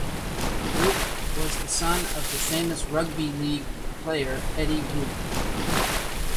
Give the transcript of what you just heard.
Root was the son of the famous rugby league player Eddie Root.